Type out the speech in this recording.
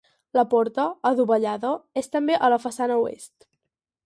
La porta, adovellada, és també a la façana oest.